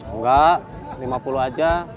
enggak lima puluh aja